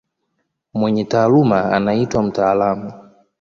Mwenye taaluma anaitwa mtaalamu.